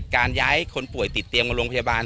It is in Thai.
การย้ายคนป่วยติดเตียงมาโรงพยาบาล